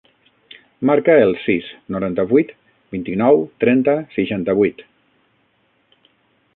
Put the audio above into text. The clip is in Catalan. Marca el sis, noranta-vuit, vint-i-nou, trenta, seixanta-vuit.